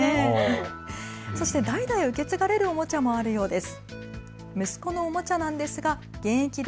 そして代々受け継がれるおもちゃもあるようです。